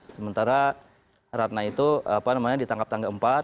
sementara ratna itu ditangkap tanggal empat